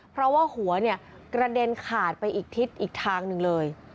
เพราะว่าหัวเนี่ยกระเด็นขาดไปอีกทิศอีกทางหนึ่งเลย